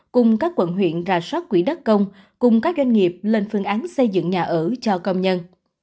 cùng các quận huyện ra soát quỹ đất công cùng các doanh nghiệp lên phương án xây dựng nhà ở cho công nhân